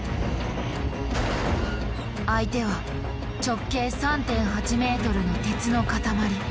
相手は直径３．８ｍの鉄の塊。